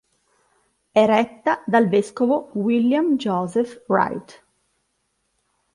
È retta dal vescovo William Joseph Wright.